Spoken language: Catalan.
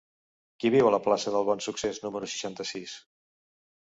Qui viu a la plaça del Bonsuccés número seixanta-sis?